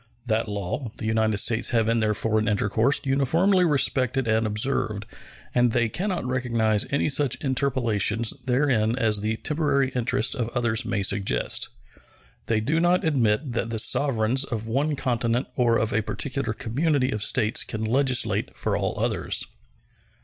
That law the United States have in their foreign intercourse uniformly respected and observed, and they can not recognize any such interpolations therein as the temporary interests of others may suggest. They do not admit that the sovereigns of one continent or of a particular community of states can legislate for all others.